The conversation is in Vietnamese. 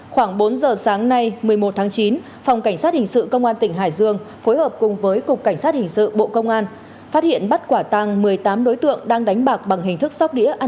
khoảng bốn giờ sáng nay một mươi một tháng chín phòng cảnh sát hình sự công an tỉnh hải dương phối hợp cùng với cục cảnh sát hình sự bộ công an phát hiện bắt quả tăng một mươi tám đối tượng đang đánh bạc bằng hình thức sóc đĩa ăn